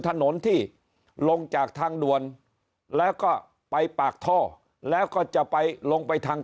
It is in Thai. ถนนที่ลงจากทางด่วนแล้วก็ไปปากท่อแล้วก็จะไปลงไปทาง